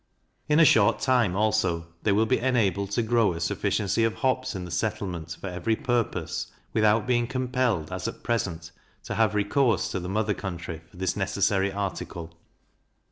In a short time also they will be enabled to grow a sufficiency of hops in the settlement for every purpose, without being compelled, as at present, to have recourse to the mother country for this necessary article.